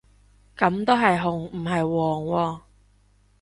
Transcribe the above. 噉都係紅唔係黃喎